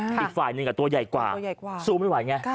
อีกฝ่ายหนึ่งตัวใหญ่กว่าสู้ไม่ไหวไง